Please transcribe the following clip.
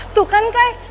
tuh kan kak